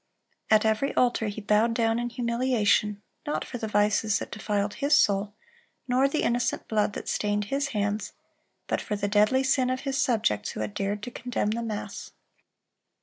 (339) At every altar he bowed down in humiliation, not for the vices that defiled his soul, nor the innocent blood that stained his hands, but for the deadly sin of his subjects who had dared to condemn the mass.